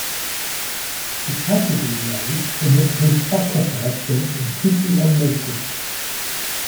The tragedy lay in that his sacrifice went completely unnoticed.